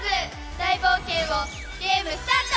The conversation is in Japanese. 大冒険をゲームスタート！